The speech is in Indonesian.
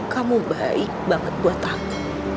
kamu baik banget buat aku